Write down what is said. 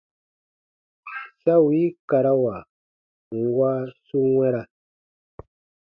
Sa wii karawa nwa su wɛ̃ra.